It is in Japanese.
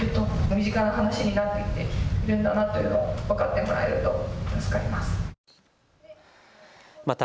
身近な話になってきているんだなというのを分かってもらえると助かります。